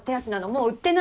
もう売ってないの。